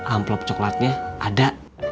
amplop coklatnya ada